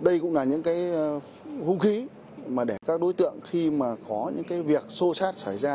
đây cũng là những cái vũ khí mà để các đối tượng khi mà có những cái việc xô sát xảy ra